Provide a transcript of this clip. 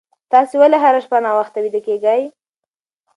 تاسي ولې هره شپه ناوخته ویده کېږئ؟